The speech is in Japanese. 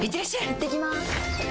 いってきます！